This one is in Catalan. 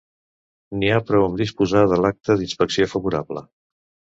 N'hi ha prou amb disposar de l'acta d'inspecció favorable.